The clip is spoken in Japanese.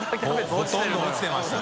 ほとんど落ちてましたね。